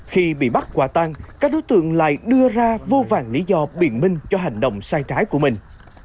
khi bị bắt quả tan các đối tượng lại đưa ra vô vàng lý do biển minh cho hành động sai trái của mình